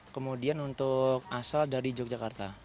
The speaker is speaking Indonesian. kemudian untuk asal dari yogyakarta